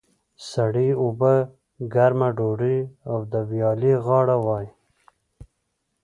سړې اوبه، ګرمه ډودۍ او د ویالې غاړه وای.